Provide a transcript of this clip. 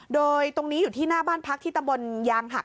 โดยตรงนี้อยู่ที่หน้าบ้านพักที่ตำบลยางหัก